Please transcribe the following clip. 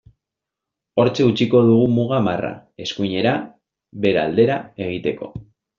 Hortxe utziko dugu muga marra, eskuinera, Bera aldera, egiteko.